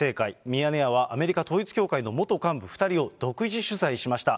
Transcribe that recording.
ミヤネ屋はアメリカ統一教会元幹部２人を独自取材しました。